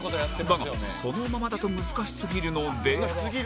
だがそのままだと難しすぎるので